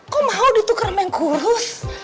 kok mau ditukar sama yang kurus